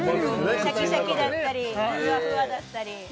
シャキシャキだったりふわふわだったり